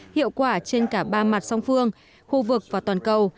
hiệu quả trên cả ba mặt song phương khu vực và toàn cầu